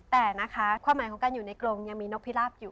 แต่นะคะความหมายของการอยู่ในกรงยังมีนกพิราบอยู่